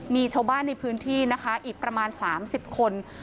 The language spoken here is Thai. มีชาวบ้านในพื้นที่นะคะอีกประมาณ๓๐คน